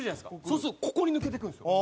そうするとここに抜けていくんですよ。